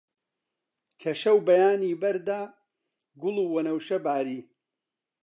کە شەو بەیانی بەردا، گوڵ و وەنەوشە باری